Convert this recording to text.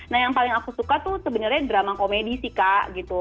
nah yang paling aku suka tuh sebenarnya drama komedi sih kak gitu